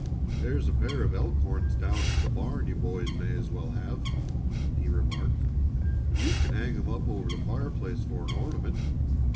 "There's a pair of elk horns down to the barn you boys may as well have," he remarked. "You can hang 'em up over the fireplace for an ornament."